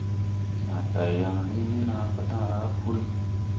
Naa tay yaŋ liŋ ni naa patala puri.